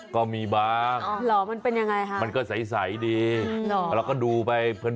ก็มีบางมันเป็นยังไงคะมันก็ใสดีเราก็ดูไปเพลิน